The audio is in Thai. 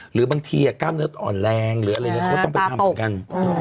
หรือบางทีกล้ามเน็ตอ่อนแรงเค้าต้องไปทำเหมือนกัน